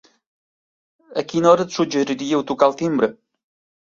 A quina hora suggeriríeu tocar el timbre?